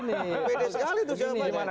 pede sekali itu jawabannya